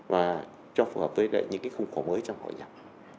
và cho phù hợp với những cái khung khổ mới trong hội nhập